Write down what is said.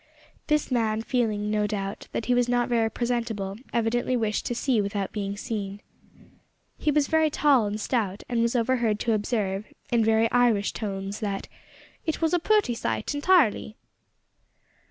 This man, feeling, no doubt, that he was not very presentable, evidently wished to see without being seen. He was very tall and stout, and was overheard to observe, in very Irish tones, that "it was a purty sight intirely."